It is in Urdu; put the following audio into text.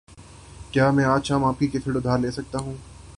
کیا میں آج شام آپکی کیسٹ ادھار لے سکتا ہوں؟